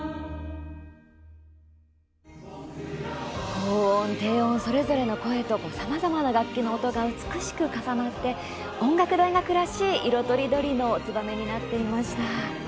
高音、低音それぞれの声とさまざまな楽器の音が美しく重なって音楽大学らしい色とりどりの「ツバメ」になっていました。